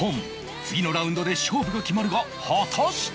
次のラウンドで勝負が決まるが果たして